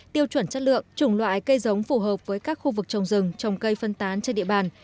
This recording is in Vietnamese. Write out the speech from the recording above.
tiêu chuẩn chất lượng chủng loại cây giống phù hợp với các khu vực trồng rừng trồng cây phân tán trên địa bàn